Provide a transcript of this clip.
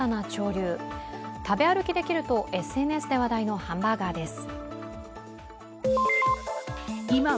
食べ歩きできるとＳＮＳで話題のハンバーガーです。